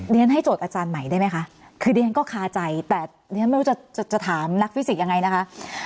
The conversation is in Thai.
เรียนให้โจทย์อาจารย์ใหม่ได้ไหมคะคือดิฉันก็คาใจแต่เรียนไม่รู้จะถามนักฟิสิกส์ยังไงนะคะ